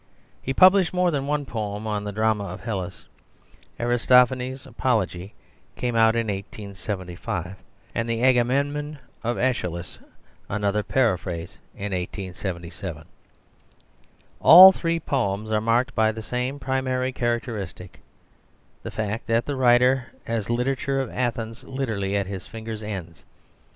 He published more than one poem on the drama of Hellas. Aristophanes' Apology came out in 1875, and The Agamemnon of Æschylus, another paraphrase, in 1877. All three poems are marked by the same primary characteristic, the fact that the writer has the literature of Athens literally at his fingers' ends.